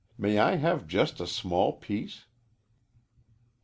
May I have just a small piece?"